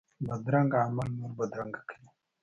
بدرنګه عمل نور بدرنګه کوي